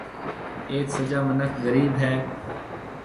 ايٿ سجا مِنک غرِيب هيَ۔